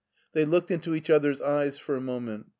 They looked into each other's eyes for a moment.